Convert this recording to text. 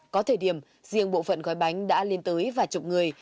có thời điểm riêng bộ phận gói bánh đã lên tới vài chục người